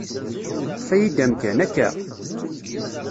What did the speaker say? Ṭṭef-iyi-d amkan, akka?